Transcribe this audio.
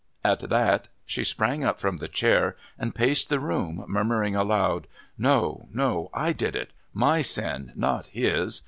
At that she sprang up from the chair and paced the room, murmuring aloud: "No, no, I did it. My sin, not his.